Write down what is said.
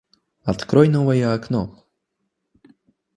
Открой новое окно